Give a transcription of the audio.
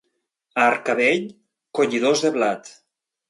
A Arcavell, collidors de blat.